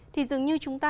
thì dường như chúng ta